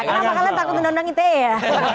kenapa kalian takut nondang ite ya